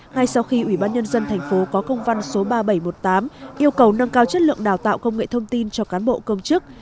ngay sau khi ủy ban nhân dân thành phố có công văn số ba nghìn bảy trăm một mươi tám yêu cầu nâng cao chất lượng đào tạo công nghệ thông tin cho cán bộ công chức